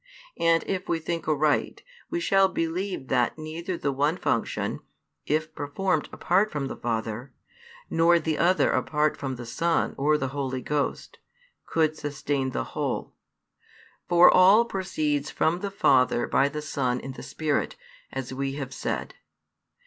And if we think aright, we shall believe that neither the one function, if performed apart from the Father, nor the other apart from the Son or the Holy Ghost, could sustain the whole. For all proceeds from the Father by the Son in the Spirit, as we have said.